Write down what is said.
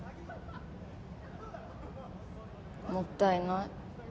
もったいない。